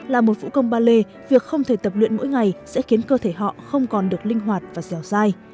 là một vũ công ballet việc không thể tập luyện mỗi ngày sẽ khiến cơ thể họ không còn được linh hoạt và dẻo dai